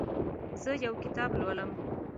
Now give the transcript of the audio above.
زه یو کتاب لولم.